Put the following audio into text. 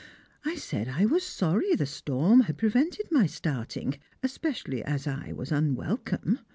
I said that I was sorry the storm had prevented my starting, especially as I was unwelcome.